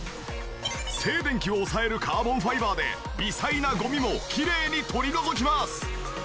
静電気を抑えるカーボンファイバーで微細なゴミもきれいに取り除きます！